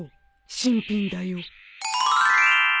新品だよ。